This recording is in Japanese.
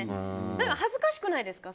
だから恥ずかしくないですか？